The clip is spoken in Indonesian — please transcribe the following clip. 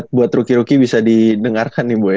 buat rookie rookie bisa didengarkan nih bu ya